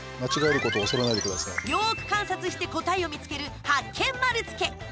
よーく観察して答えを見つけるハッケン丸つけ。